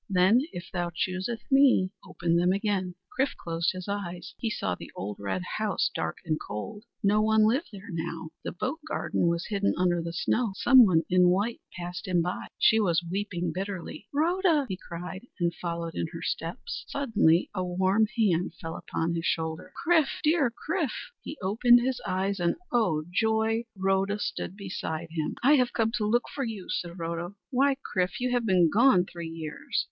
Then, if thou choosest me, open them again." Chrif closed his eyes. He saw the old red house dark and cold. No one lived there now. The boat garden was hidden under the snow. Someone in white passed him by. She was weeping bitterly. "Rhoda!" he cried and followed in her steps. Suddenly a warm hand fell upon his shoulder. "Chrif, dear Chrif!" He opened his eyes, and O joy! Rhoda stood beside him. Chrif's Return "I have come to look for you," said Rhoda. "Why, Chrif, you have been gone three years!"